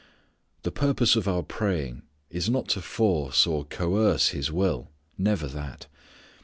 The purpose of our praying is not to force or coerce his will; never that.